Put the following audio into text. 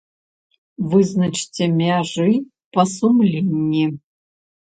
Вызначце мяжы па сумленні!